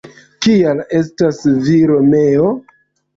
Kial estas vi Romeo?».